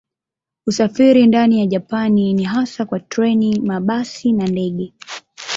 Usafiri ndani ya Japani ni hasa kwa treni, mabasi na ndege.